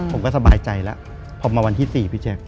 ผมก็สบายใจแล้วพอมาวันที่๔พี่แจ๊ค